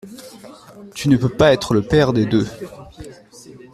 Tu ne peux pas être le père des deux.